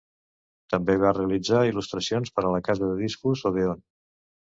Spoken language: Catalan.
També va realitzar il·lustracions per a la casa de discos Odèon.